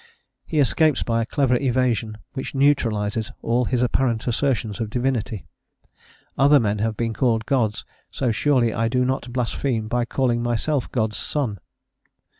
He escapes by a clever evasion, which neutralises all his apparent assertions of Divinity. "Other men have been called gods, so surely I do not blaspheme by calling myself God's son."